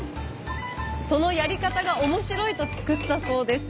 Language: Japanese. そのやり方が面白いと作ったそうです。